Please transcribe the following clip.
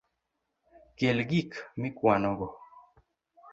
Kel gik mikwanogo.